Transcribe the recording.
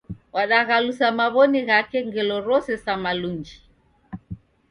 Wadaghalusa maw'oni ghake ngelo rose sa malunji